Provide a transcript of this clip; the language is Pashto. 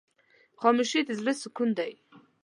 خاموشي، د زړه سکون دی.